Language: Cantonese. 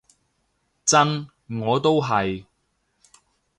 真，我都係